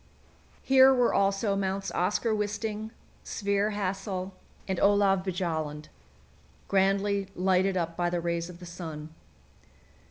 Here were also Mounts Oskar Wisting, Sverre Hassel, and Olav Bjaaland, grandly lighted up by the rays of the sun.